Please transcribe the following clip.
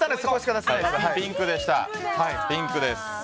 ピンクです。